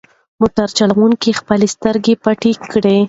موټر چلونکي خپلې سترګې پټې کړې.